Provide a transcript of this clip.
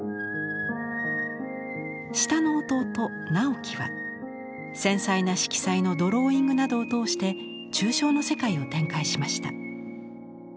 下の弟直木は繊細な色彩のドローイングなどを通して抽象の世界を展開しました。